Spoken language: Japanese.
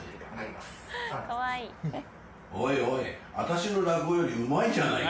おいおい私の落語よりうまいじゃないか。